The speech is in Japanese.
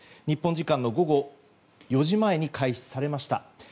日本時間の午後４時前に開始されました。